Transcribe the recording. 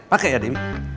pakai ya debbie